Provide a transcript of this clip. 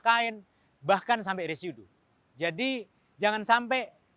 kemudian juga ada infrastruktur infrastruktur pendukung yang bisa menjelaskan sampah sampah yang kemudian dihasilkan